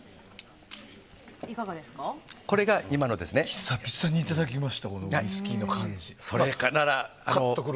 久々にいただきました。